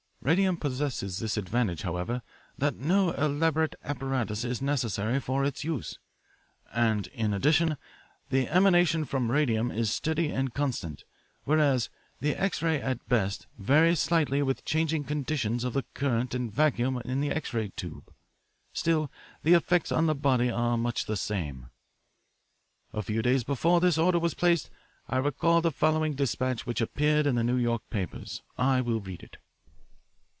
Radium possesses this advantage, however, that no elaborate apparatus is necessary for its use. And, in addition, the emanation from radium is steady and constant, whereas the X ray at best varies slightly with changing conditions of the current and vacuum in the X ray tube. Still, the effects on the body are much the same. "A few days before this order was placed I recall the following despatch which appeared in the New York papers. I will read it.